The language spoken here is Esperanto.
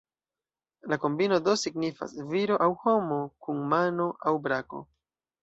La kombino do signifas "Viro aŭ homo kun mano aŭ brako".